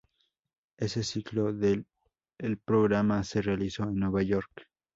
Ese ciclo el programa se realizó en Nueva York.